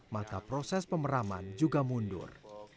maka proses pemeraman juga mundur